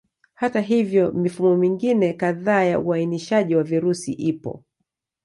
Hata hivyo, mifumo mingine kadhaa ya uainishaji wa virusi ipo.